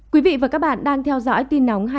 quý vị và các bạn đang theo dõi tin nóng hai mươi bốn